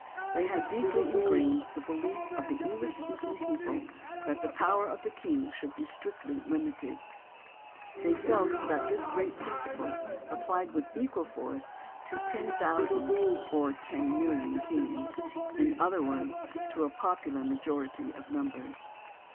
They had deeply ingrained the behef of the Enghsh speaking people that the power of the king should be strictly Hmited. They felt that this AND THE RECALL OF JUDGES 103 great principle applied with equal force to ten thousand or ten million kings — in other words, to a popular majority of numbers.